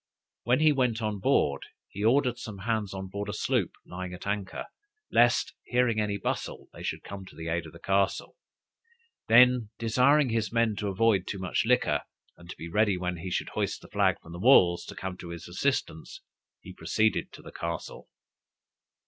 When he went on board, he ordered some hands on board a sloop lying at anchor, lest, hearing any bustle they should come to the aid of the castle; then desiring his men to avoid too much liquor, and to be ready when he should hoist the flag from the walls, to come to his assistance, he proceeded to the castle.